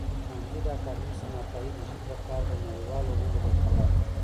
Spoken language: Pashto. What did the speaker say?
کانديد اکاډميسن عطايي د ژبې لپاره د نړیوالو غونډو برخه وال و.